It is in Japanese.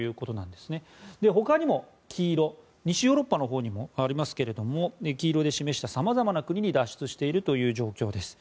では他にも西ヨーロッパのほうにありますけど黄色で示した、さまざまな国に脱出しているという状況です。